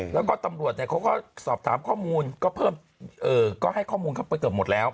แล้วก็ตำรวจเขาก็สอบถามข้อมูลก็เพิ่มก็ให้ข้อมูลเข้าไปเกือบหมดแล้ว